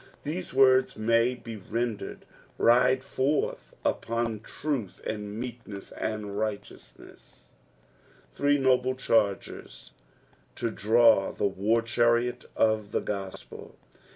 These words tnaj be rendered, " ridf. forthvpon truth and metkmm and riyht&Mineu." — Three uuble chaigets to draw the war chaiiot of the gospel.